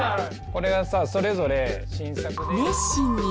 これがそれぞれ新作で。